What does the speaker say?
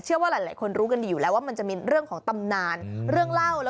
เชื่อว่าหลายคนรู้กันอยู่แล้วว่ามันจะมีเรื่องของตำนาน